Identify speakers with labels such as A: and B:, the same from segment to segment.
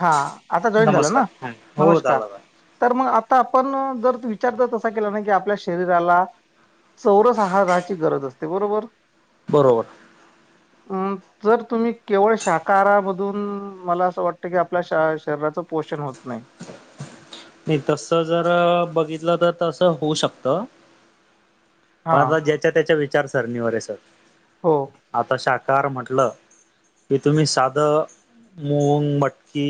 A: हा आता जॉईन झालात ना
B: नमस्कार हा, हो
A: नमस्कार.
B: झाला झाला
A: तर म आता आपण जर तू विचारता तसा केला ना की आपल्या शरीराला चौरस आहाराची गरज असते बरोबर.
B: बरोबर.
A: जर तुम्ही केवळ शाकाहारामधून मला असं वाट ते की हे आपल्या श शरीराचं पोषण होत नाही.
B: नाही तसं जरा बघितलं तर तसं होऊ शकतं.
A: हा
B: दादा ज्याच्या त्याच्या विचार सरणीवर हे सर.
A: हो.
B: आता शाहाकाहार म्हटलं तर तुम्ही सादं मूंग, मटकी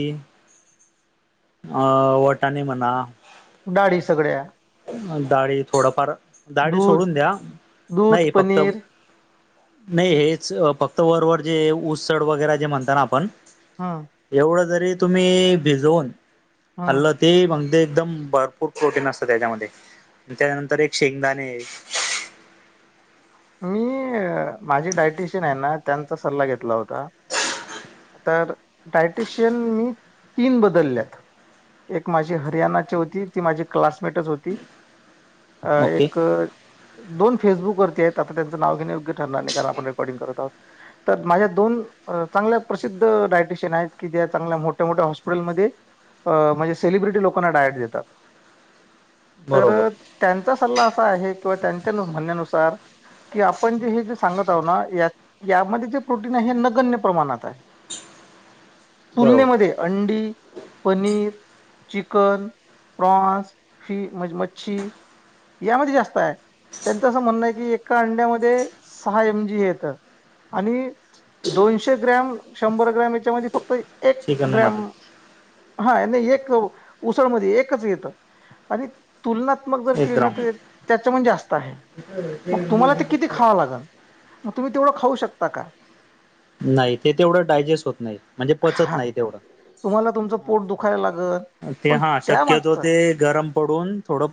B: अ वटाणे म्हणा
A: दाडी सगळ्या
B: दाडी थोडफार दाडी
A: दूध
B: सोडून द्या
A: दूध
B: नाही फक्त
A: पनीर
B: नाही हेच अ फक्त वरवर जे ऊसड वगैरे जे म्हणत ना आपण
A: हा.
B: एवढं जरी तुम्ही भिजवून
A: हम्म
B: खाल्लात ते म्हणजे एकदम भरपूर प्रोटीन असतं त्याच्यामध्ये त्याच्यानंतर एक शेंगदाणे
A: मी अ माझे डायटिशियन आहे ना त्यांचा सल्ला घेतलं होता. तर डायटिशियन मी तीन बदलल्यात. एक माझी हरियाणाची होती ती माझी क्लासमेटच होती. अ
B: ओके
A: एक दोन फेसबुकवरती आहेत. आता त्यांच नाव घेणे योग्य ठरणार नाही कारण आपण रेकॉर्डिंग करत आहोत तर माझ्या दोन चांगल्या प्रसिद्ध डायटिशियन आहेत कि त्या चांगल्या मोठ्या-मोठ्या हॉस्पिटलमध्ये. अ म्हणजे सेलिब्रिटी लोकांना डायट देतात. तर
B: बरोबर
A: त्यांचा सल्ला असा आहे किंवा त्यांच्या म्हणण्यानुसार की आपण जे हे जे सांगत आहो ना यात यामध्ये जे प्रोटीन आहे हे नगण्य प्रमाणात आहे
B: बरोबर
A: तुलनेमध्ये अंडी, पनीर चिकन प्रॉन्स, फी मच्छी यामध्ये जास्त आहे त्यांचं असं म्हणणं आहे की एका अंड्यामध्ये सहा एम जी हे येतं. आणि दोनशे ग्रॅम शंभर ग्रॅम याच्यामध्ये फक्त एक ग्रॅम
B: चिकनमध्ये
A: हा एक उसळमध्ये एकच येत आणि तुलनात्मक जर
B: एक ग्राम
A: किरणत येत त्याच्यामन जास्त आहे.
B: [unintelligible]
A: मग तुम्हाला ते किती खावा लागेल मग तुम्ही तेवढं खाऊ शकता का?
B: नाही ते तेवढं डायजेस्ट होत नाही म्हणजे पचत
A: हा
B: नाही तेवढं.
A: तुम्हाला तुमचं पोट दुखायला लागल
B: ते
A: पण
B: हा
A: त्या
B: शक्य तो
A: मागचा
B: ते गरम पडून थोडं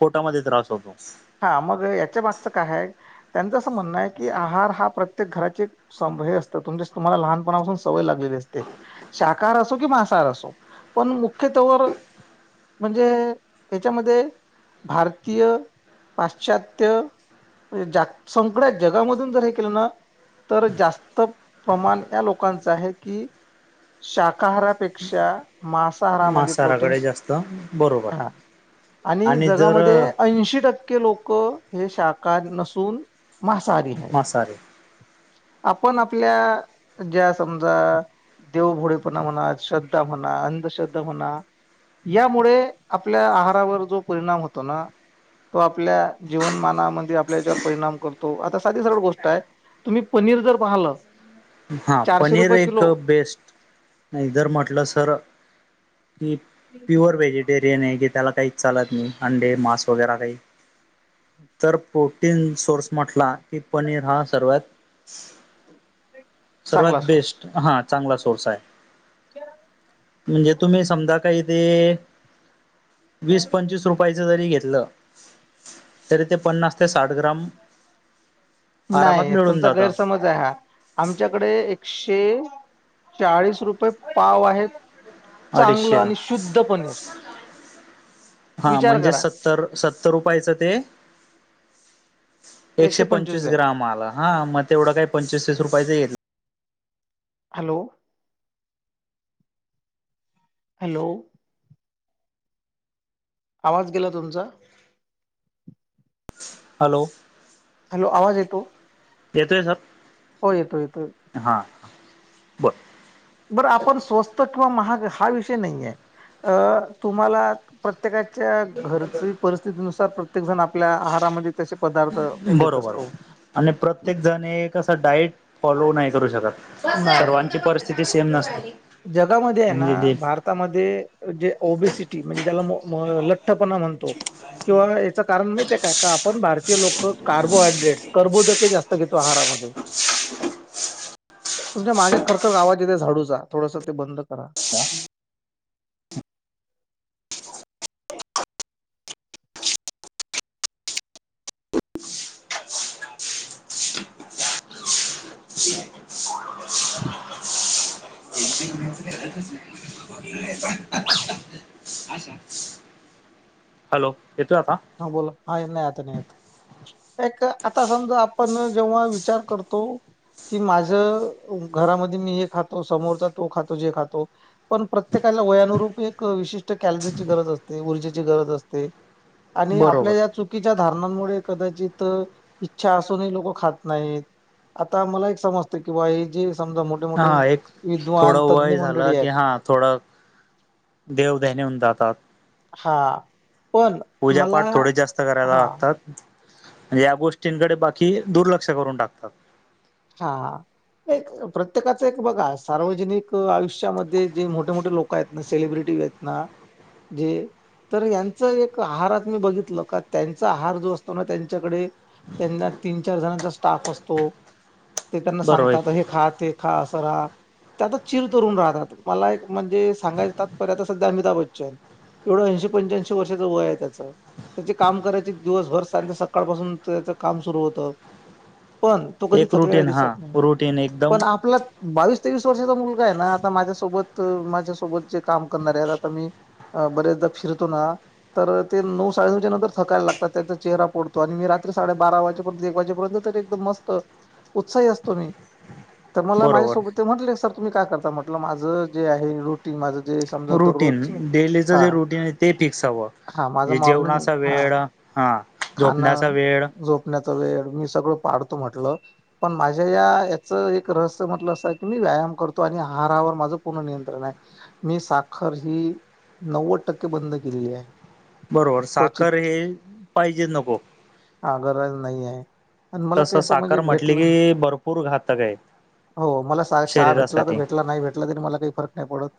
B: पोटामध्ये त्रास होतो.
A: हा मग याच्या मागचं काय आहे त्यांचं असं म्हणणं आहे की आहार हा प्रत्येक घराची सम हे असतं तुमच्या तुम्हाला लहानपणापासून सवय लागलेली असते शाकाहार असो कि माांसाहार असो. पण मुख्य तो वर म्हणजे हेच्यामध्ये भारतीय पाश्चात्य जाग संकड्या जगामधून जर हे केलं ना तर जास्त प्रमाण या लोकांचं आहे की शाकाहारापेक्षा मांसाहारामध्ये
B: मांसाहाराकडे
A: प्रोटीन्स
B: जास्त बरोबर
A: हा. आणि जगामध्ये ऐंशी टक् के लोकं हे शाकारी नसून मांसाहारी आहेत
B: मासाहारी
A: आपण आपल्या ज्या समजा देवभोडेपणा म्हणा, श्रद्धा म्हणा, अंधश्रद्धा म्हणा यामुळे आपल्या आहारावर जो परिणाम होतो ना तो आपल्या जीवनमानामध्ये आपल्या याच्यावर परिणाम करतो आता सादी सरळ गोष्ट आहे तुम्ही पनीर जर पाहलस
B: हा पनीर एक बेस्ट नाही जर म्हटलं सर हे प्युअर व्हेजिटेरियन आहे की त्याला काही चालत नाही अंडे मांस वगैरे काही तर प्रोटीन सोर्स म्हटला की पनीर हा सर्वात सर्वात
A: चांगला सोर्स
B: बेस्ट हा चांगला सोर्स आहे म्हणजे तुम्ही समजा काही ते वीस-पंचवीस रुपयाच जरी घेतलं तरी ते पन्नास ते साठ ग्राम आरामात
A: नाही
B: मिळून
A: तुमचा
B: जातं
A: गैरसमज आहे हा आमच्याकडे एकशे चाळीस रुपये पाव आहेत चांगलं
B: अडीचशे
A: आणि
B: ग्राम
A: शुद्ध पनीर
B: हा
A: विचार
B: म्हणजे
A: करा
B: सत्तर सत्तर रुपयाचं ते एकशे पंचवीस ग्राम आला हा मग तेवढं काही पंचवीस तीस रुपयाच येल
A: हॅलो हॅलो आवाज गेला तुमचा.
B: हॅलो.
A: हॅलो आवाज येतो.
B: येतोय सर.
A: हो, येतो येतोय.
B: हा बरं.
A: बरं आपण स्वस्त किंवा महाग हा विषय नाहीये अ तुम्हाला प्रत्येकाच्या घरची परिस्थितीनुसार प्रत्येक जण आपल्या आहारामध्ये तसे पदार्थ हे घेत
B: बरोबर बर.
A: असतो
B: आणि प्रत्येकजण ए कस डाईट फॉलो नाही करू शकत.
A: नाही
B: सर्वांची परस स्थिती सेम नसते.
A: जगामध्ये आहे ना
B: म्हणजे जे
A: भारत त्यामध्ये जे ओबिसिटी म्हणजे ज्याला लठ्ठपणा म्हणतो. किंवा याच कारण माहित आहे का, आपण भारतीय लोक कार्बोहायड्रेट्स कर्बोदके जास्त घेतो आहारामध्ये. तुमच्या मागे खरखर आवाज येतोय झाडूचा थोडंसं ते बंद करा.
B: [unintelligible] [inaudible] हॅलो. येतोय आता?
A: हा बोला. हा ये‌ नाही आता नाही येत. एक आता समजा आपण जेव्हा विचार करतो कि माझं घरामध्ये मी हे खातो, समोरचा तो खातो जे खातो पण प्रत्येकाला वयानुरूपी एक विशिष्ट कॅलरीची गरज असते, ऊर्जेची गरज असते. आणि आपल
B: बरोबर
A: यात चुक कीच्या धारणांमुळे कदाचित इच्छा असूनही लोक खात नाहीत. आता मला एक समजत की बाबा हे जे समजा मोठे मोठे
B: हा एक
A: विद्वान
B: थोडं
A: तज्ज्ञ
B: वय झालं,
A: मंडळी
B: की
A: आहेत
B: हा थोडं देव दहन्यून होऊन जातात.
A: हा पण मला
B: पूजापाठ थोडे जास्त करायला
A: हा
B: लागतात. जे या गोष्टींकडे बाकी दुर्लक्ष करून टाकतात.
A: हा. एक प्रत्येकाच एक बघा सार्वजनिक आयुष्यामध्ये जे मोठे मोठे लोक आहेत ना सेलिब्रिटी आहेत. ना जे तर यांचं एक आहारात मी बघितलं का त्यांचा आहार जो असतो ना त्यांच्याकडे त्यांना तीन, चार जणांचा स्टाफ असतो. ते त्यांना सांगतात.
B: बरोबर
A: हे खा, ते खा, असं रहा. ते आता चिरतरूण राहतात. मला एक म्हणजे सांगायच तात्पर्य सध्या अमिताभ बच्चन एवढं ऐंशी पंच्याऐंशी वर्षाचं वय आहे त्याचं. त्याचे काम करायचे दिवसभर सारखं सकाळपासून त्याच काम सुरू होतं. पण तो कधी
B: एक
A: थकलेला
B: रुटीन
A: दिसत
B: हा
A: नाही,
B: रुटीन एकदम
A: पण आ आपला बावीस तेवीस वर्षाचा मुलगा आहे ना, आता माझ्यासोबत माझ्यासोबत जे काम करणारे आहेत. आता मी अ बरेचदा फिरतो ना तर ते नऊ साडेनऊच्या नंतर थकायला लागतात. त्यांचा चेहरा पडतो आणि मी रात्री साडेबारा वाजेपर्यंत एक वाजेपर्यंत तरी एकदम मस्त, उत्साही असतो मी, तर मला माझ्यासोबत
B: बरोबर
A: ते म्हंटले सर तुम्ही काय करता? म्हटलं माझं जे आहे रूट
B: रुटीन डेलीचं
A: हा
B: जे रुटीन आहे ते फिक्स हवं.
A: हा माझं
B: जे जेवणाचा वेळ, हा
A: खाण
B: झोपण्याचा वेळ
A: झोपण्याचा वेळ मी सगळं पाळतो म्हटलं. पण माझ्या या याचं एक रहस्य म्हटलं असं की मी व्यायाम करतो आणि आहारावर माझं पूर्ण नियंत्रण आहे. मी साखर ही नव्वद टक्के बंद केलेली आहे.
B: बरोबर साखर
A: क्वचित
B: हे पाहिजेच नको.
A: हा गरज नाहीये.
B: तसं साखर म्हंटली की भरपूर घातक आहे.
A: हो मला चहा भेटला तर
B: शरीरासाठी
A: भेटला, नाही भेटला तरी मला काही फरक नाही पडत.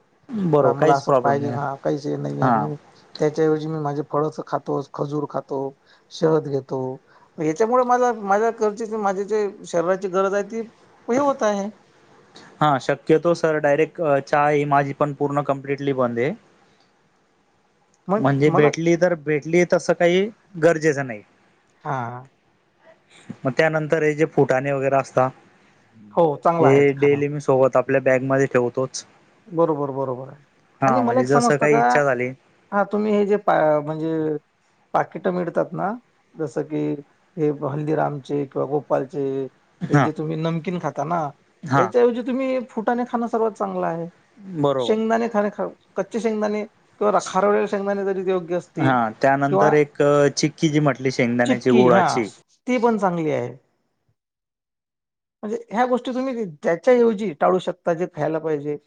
A: अ
B: बरोबर
A: मला
B: काहीच
A: असं
B: प्रॉब्लेम
A: पाहिजेच
B: नाही
A: हा काहीच हे नाहीये,
B: हा
A: मग त्याच्याऐवजी मी माझे फळस खातो खजूर खातो शहद घेतो. याच्यामुळे माझा माझा करचेचा माझी जे शरीराची गरज आहे ती हे होत आहे.
B: हा शक्यतो सर डायरेक्ट चाय माझी पण पूर्ण कम्प्लिटली बंद आहे.
A: मग
B: म्हणजे
A: मला
B: भेटली तर भेटली तसं काही गरजेचं नाही.
A: हा.
B: म त्यानंतर हे जे फुटाणे वगैरे असता
A: हो चांगला आहे
B: हे
A: खाणं
B: डेली मी सोबत आपल्या बॅग मध्ये ठेवतोच.
A: बरोबर बरोबर आहे आणि
B: हा
A: मला
B: म्हणजे
A: एक
B: जसं
A: समजत
B: काही
A: का
B: इच्छा झाली
A: हा तुम्ही हे जे पा म्हणजे पाकिट मिळतात ना जसं की हे हल्दीरामचे किंवा गोपाळचे हे
B: हा
A: जे तुम्ही नमकीन खाता ना
B: हा
A: याच्याऐवजी तुम्ही फुटाने खाणं सर्वात चांगलं आहे.
B: बरोबर
A: शेंगदाणे खाणे खाऊ कच्चे शेंगदाणे खारवलेले शेंगदाणे जरी योग्य
B: हा
A: असतील
B: त्यानंतर
A: किंवा
B: एक चिक्की जी म्हट पली शेंगदाण्याची
A: चिक्की हा
B: गोळााची
A: ती पण चांगली आहे. म्हणजे ह्या गोष्टी तुम्ही ज्याच्याऐवजी टाळू शकता जे खायला पाहिजे.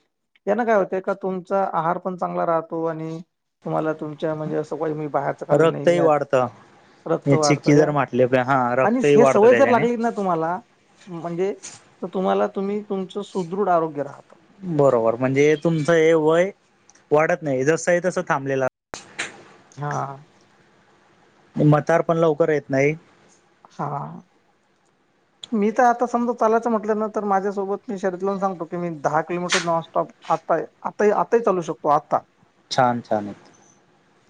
A: त्यांना काय होतय का तुमचा आहार पण चांगला राहतो आणि तुम्हाला तुम चां म्हणजे असं कोय मी बाहेरचा खाल्लं
B: रक्तही
A: नाहीयेत.
B: वाढतं
A: रक्त
B: हे चिक्की
A: वाढतया
B: जर म्हटली हा
A: आणि
B: रक्तही
A: हे
B: वाढतं
A: सवय जर
B: त्याच्याने
A: लागली ना तुम्हाला म्हणजे तुम्हाला तुम्ही तुमचं सुदृढ आरोग्य राहतं.
B: बरोबर म्हणजे एतुमचं ए वय वाढत नाही जस आहे तस थांबलेला
A: हा.
B: मतार पण लवकर येत नाही.
A: हा.
B: [inaudible]
A: मी तर आता समजा चालायचं म्हटलं न तर माझ्यासोबत मी शर्त लावून सांगतो की मी दहा किलोमीटर नॉनस्टॉप आताय आताही आताही चालू शकतो आता.
B: छान छान आहे.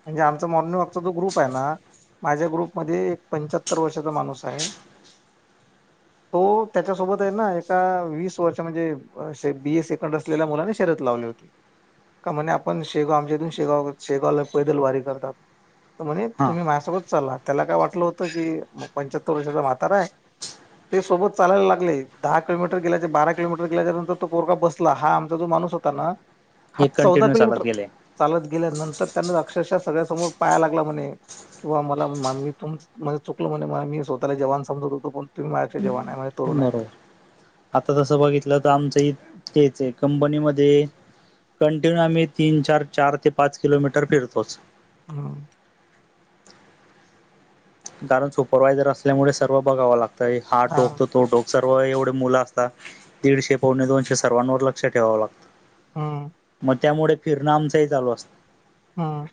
A: म्हणजे आमचा मॉर्निंग वॉकचा जो ग्रुप आहे ना माझ्या ग्रुपमध्ये एक पंच सत्तर वर्षाचा माणूस आहे.
B: [inaudible]
A: तो त्याच्यासोबत आहे ना एका वीस वर्ष म्हणजे अ बीस सेकंड तेल्या मुलाने शरत लावले होते. का म्हणे आपण शेगाव आमच्यातून शेगाव शेगावला पैदल वारी करतात. म्हणे
B: हा.
A: तुम्ही माझ्यासोबत चालला त्याला काय वाटलं होतं की पंच्याहत्तर वर्षाचा म्हातारा आहे ते सोबत चालायला लागले दहा किलोमीटर गेल्याचे, बारा किलोमीटर गेल्याच्या नंतर तो पोरगा बसला हा आमचा जो माणूस हो तना हा
B: हे
A: चौदा
B: कंटिन्यू
A: किलोमीटर
B: चालत गेले
A: चालत गेल्या नंतर त्यांना अक्षरशः सगळ्यासमोर पाया लागला म्हणे. किंवा मला मानवी तुम चुकलं म्हणे मी स्वतःला जवान समजतो पण तुम्ही माझचे जवान आहे म्हणे तरुण आहेत.
B: बरोबर आता तसं बघितलं तर आमचं तेच आहे कंपनीमध्ये कंटिन्यू आम्ही तीन-चार, चार ते पाच किलोमीटर फिरतोच.
A: हम्म.
B: कारण सुपरवायझर असल्यामुळे सर्व बघाव लागतंय हा टोकतो तो टोक सर्व एवढे मुलं असतात दीडशे पौणे दोनशे सर्वांवर लक्ष ठेवावं लागतं.
A: हम्म
B: म त्यामुळे फिरण आमचाही चालू अस
A: हम्म.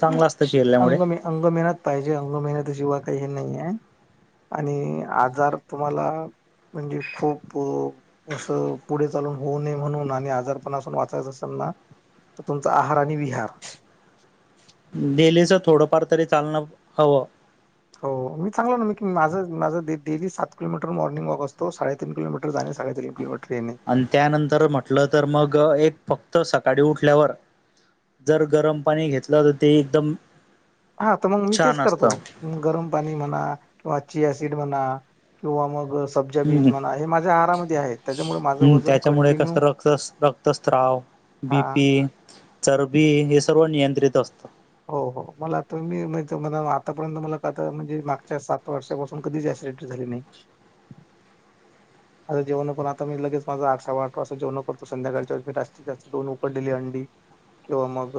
B: चांगलं असतं फिरल्यामुळे
A: अंग मे अंग मेहन्यात पाहिजे अंग मेहन्यात शिवाय काही हे नाही आहे. आणि आजार तुम्हाला म्हणजे खुप्प असं पुढे चालून होऊ नये म्हणून आणि आजारपणा असून वाचायच असेल ना तर तुमचा आहार आणि विहार
B: डेलीचा थोडंफार तरी चालणं हवं.
A: हो मी चांगलं ना म की माझं माझं डेली सात किलोमीटर मॉर्निंग वॉक असतो सात तीन किलोमीटर जाणे साडे तीन किलमीटरने येणे.
B: आणि त्यानंतर म्हटलं तर मग एक फक्त सकाळी उठल्यावर जर गरम पाणी घेतलं तर ते एकदम
A: हा तर मग मी तेच
B: छान
A: करतो.
B: असतं
A: हम्म गरम पाणी म्हणा किंवा चीआ सिड म्हणा किंवा मग सब्ज बीज
B: हम्म
A: म्हणा हे माझ्या आहारामध्ये आहे त्याच्यामुळे माझं
B: हम्म
A: वजन
B: त्याच्यामुळे
A: कंटिन्यू हा
B: बी पी, चरबी हे सर्व नियंत्रित असतं.
A: हो हो मला आता मी माहिती आतापर्यंत मला कात म्हणजे मागच्या सात वर्षापासून पण कधीच ऍसिडिटी झाली नाही.
B: [inaudible]
A: आता जेवण पण आता मी लगेच माझा आठ सवा आठ पास जेवणो करतो संध्याकाळच्या वेळे मी जास्तीत जास्त दोन उकडलेली अंडी किंवा मग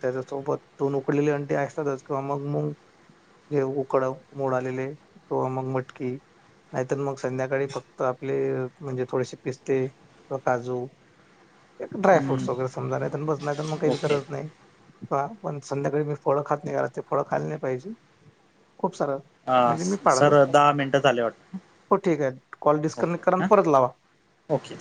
A: त्याच्यासोबत दोन उकडलेली अंडी ऐसतातच किंवा मग मूंग जे उकडव मोड आलेले किंवा मग मटकी नाहीतर मग संध्याकाळी फक्त आपले म्हणजे थोडेसे पिस्ते त काजू एक ड्राय
B: हम्म
A: फ्रूट्स वगैरे समजा नाही तर बस नाही तर मग काहीच
B: ओके
A: गरज नाही बा पण संध्याकाळी मी फळं खात नाही रात्री ते फळं खायला नाही पाहिजे खूप सारं.
B: अ
A: म्हणजे मी पाडत
B: सर
A: असतो
B: दहा मिनटं झाले वाटत
A: हो ठीक आहे कॉल
B: ओके
A: डिस्कनेक्ट करा आणि
B: हां
A: परत लावा.
B: ओके.